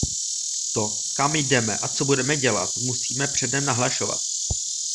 To, kam jdeme a co budeme dělat, musíme předem nahlašovat.